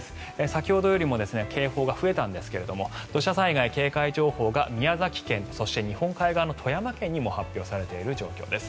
先ほどよりも警報が増えたんですが土砂災害警戒情報が宮崎県そして日本海側の富山県にも発表されている状況です。